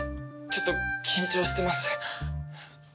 ちょっと緊張してます。